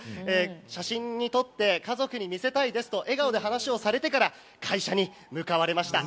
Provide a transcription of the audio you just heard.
写真に撮って家族に見せたいですと笑顔で話をされてから会社に向かわれました。